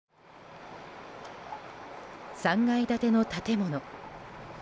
３階建ての建物。